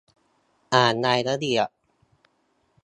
อ่านรายละเอียด